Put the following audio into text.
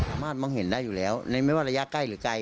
มองเห็นได้อยู่แล้วในไม่ว่าระยะใกล้หรือไกล